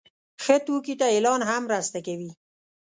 ښه توکي ته اعلان هم مرسته کوي.